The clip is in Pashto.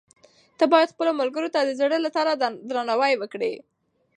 ته باید خپلو ملګرو ته د زړه له تله درناوی وکړې.